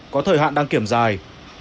có thời hạn đăng kiểm dài